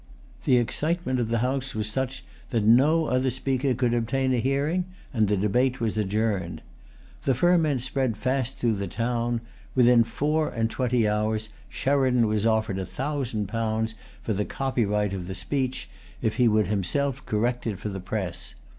The excitement of the House was such that no other speaker could obtain a hearing; and the debate was adjourned. The ferment spread fast through the town. Within four and twenty hours, Sheridan was offered a thousand pounds for the copyright of the speech, if he would himself correct it for the press.